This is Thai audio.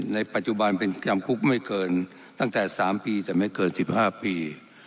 ในปัจจุบันเป็นจำคุกไม่เกินตั้งแต่๓ปีแต่ไม่เกิน๑๕ปี